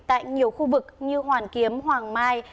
tại nhiều khu vực như hoàn kiếm hoàng mai